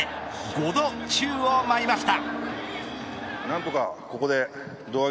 ５度宙を舞いました。